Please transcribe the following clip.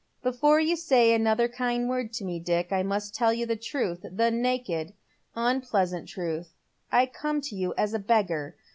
Before you say another kind word to me, Dick, I must tell you the truth — the naked, unpleasant truth. I coma to you as a beggar.